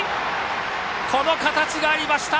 この形がありました。